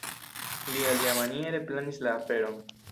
Li alimaniere planis la aferon.